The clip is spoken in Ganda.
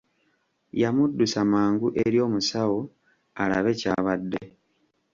Yamuddusa mangu eri omusawo alabe ky'abadde.